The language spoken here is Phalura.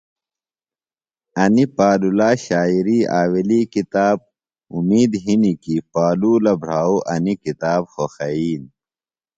انی پالولا شاعری آویلی کتاب اومید ہِنیۡ کیۡ پالولہ بھراو انیۡ کتاب خوخئین۔